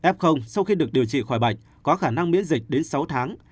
f sau khi được điều trị khỏi bệnh có khả năng miễn dịch đến sáu tháng